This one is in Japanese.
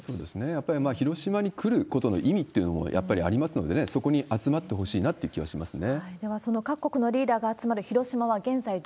やっぱり広島に来ることの意味っていうのもやっぱりありますのでね、そこに集まってほしいなという気はしますね。